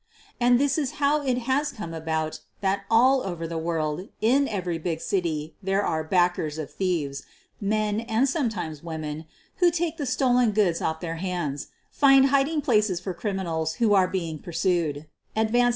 And this is how it has come about that all over the world, in every big city, there are "backers" of thieves; men, and sometimes women, who take the stolen goods off their hands, find hiding places for criminals who are being pursued, advance money ^■^ T >> ^^*^,J^^,» ^.